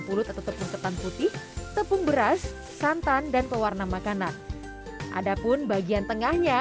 pulut atau tepung ketan putih tepung beras santan dan pewarna makanan adapun bagian tengahnya